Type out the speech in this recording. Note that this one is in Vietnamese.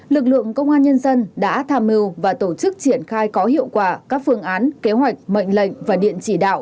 lực lượng công an nhân dân đã tham mưu và tổ chức triển khai có hiệu quả các phương án kế hoạch mệnh lệnh và điện chỉ đạo